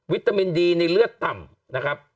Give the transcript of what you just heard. ตามินดีในเลือดต่ำนะครับ